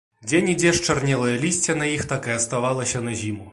Дзе-нідзе счарнелае лісце на іх так і аставалася на зіму.